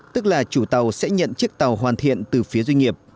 tức là chủ tàu sẽ nhận chiếc tàu hoàn thiện từ phía doanh nghiệp